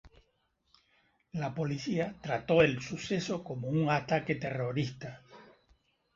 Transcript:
La policía trató el suceso como un ataque terrorista.